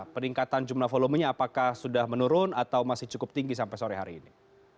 peningkatan jumlah volumenya apakah sudah menurun atau masih cukup tinggi sampai sore hari ini